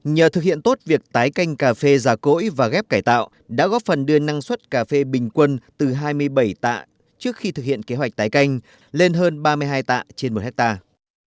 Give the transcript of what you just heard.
nhờ thực hiện tốt việc tái canh cà phê già cỗi và ghép cải tạo đã góp phần đưa năng suất cà phê bình quân từ hai mươi bảy tạ trước khi thực hiện kế hoạch tái canh lên hơn ba mươi hai tạ trên một hectare